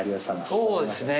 そうですね